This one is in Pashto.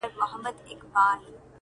قاضي صاحبه ملامت نه یم، بچي وږي وه،